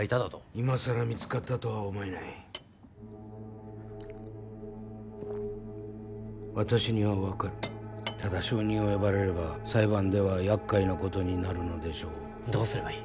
今さら見つかったとは思えない私には分かるただ証人を呼ばれれば裁判ではやっかいなことになるのでしょうどうすればいい？